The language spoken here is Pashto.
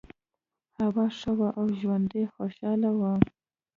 هوا ښه وه او ژوند یې خوشحاله و.